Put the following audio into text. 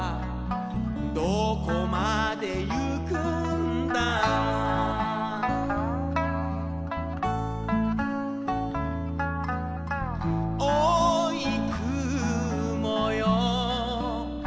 「どこまでゆくんだ」「おうい雲よ」